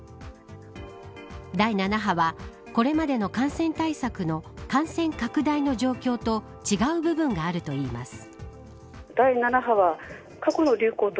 第７波は、これまでの感染対策の感染拡大の状況と違う部分があるといいます。